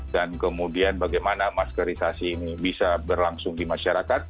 dan kemudian bagaimana maskerisasi ini bisa berlangsung di masyarakat